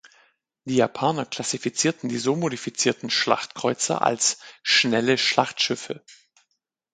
Die Japaner klassifizierten die so modifizierten Schlachtkreuzer als „schnelle Schlachtschiffe“.